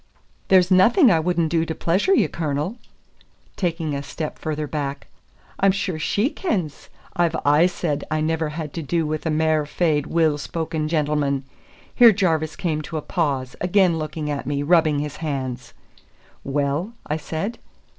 "There's nothing I wouldna do to pleasure ye, Cornel," taking a step further back. "I'm sure she kens I've aye said I never had to do with a mair fair, weel spoken gentleman " Here Jarvis came to a pause, again looking at me, rubbing his hands. "Well?" I said.